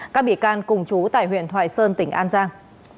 các bị can cùng chú tại huyện thoại sơn tỉnh an giang